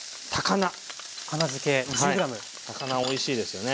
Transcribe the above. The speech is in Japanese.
高菜おいしいですよね。